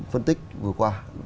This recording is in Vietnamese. phân tích vừa qua